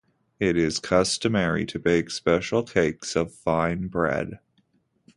It is customary to bake special cakes of fine bread.